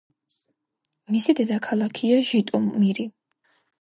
მისი დედაქალაქია ჟიტომირი.